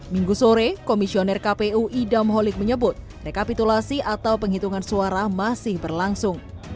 minggu sore komisioner kpu idam holik menyebut rekapitulasi atau penghitungan suara masih berlangsung